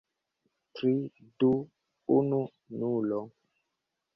Tri... du... unu... nulo